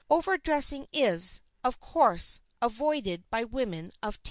Over dressing is, of course, avoided by women of taste.